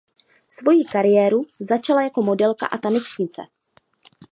Svoji kariéru začala jako modelka a tanečnice.